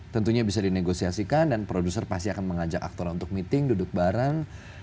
tentunya bisa dinegosiasikan dan produser pasti akan mengajak aktor untuk meeting duduk bareng